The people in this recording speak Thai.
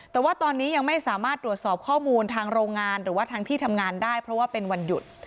แต่ว่าตอนนี้ยังไม่สามารถตรวจสอบข้อมูลทางโรงงานหรือว่าทางที่ทำงานได้เพราะว่าเป็นวันหยุด